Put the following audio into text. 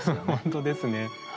本当ですね。